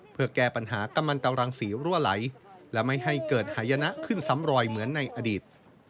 เพื่อแก้ปัญหากำลังตรังสีรั่วไหลและไม่ให้เกิดหายนะขึ้นซ้ำรอยเหมือนในอดีต